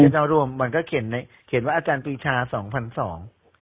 ถ้ารวมมันก็เขียนในเขียนว่าอาจารย์ปีชาสองพันสอง